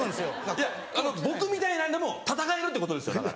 いや僕みたいなのでも戦えるってことですよだから。